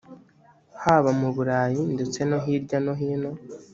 haba mu burayi ndetse no hirya no hino